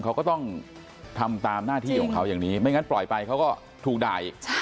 เขาต้องทำตามหน้าที่ของเขาไม่งั้นปล่อยไปเขาก็ถูกได้